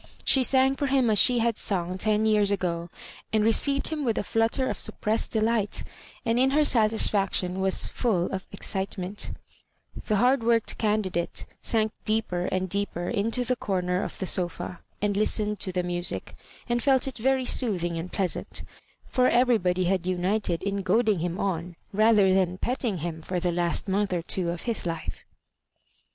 She sang for him as she had sung ten years ago, and received him with a flutter of sup pressed delight, and in her satisfaction was full of excitement The hard worked candidate sank deeper and deeper into the comer of the sofa and listened to the music, and felt it very soothing and pleasant, for everybody had united in goadmg him on rather than petting him for the last month or two of his life.